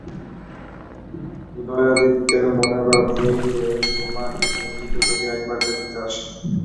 উদয়াদিত্যের মনের ভাব এই যে, সুরমা এই মেয়েটিকে যদি একবার দেখিতে আসে।